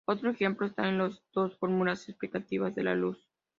Otro ejemplo está en las dos fórmulas explicativas de la luz.